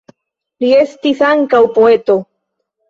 Li estis ankaŭ poeto.